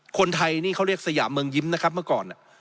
คนไทยนี่เขาเรียกสยามเมืองยิ้มนะครับเมื่อก่อน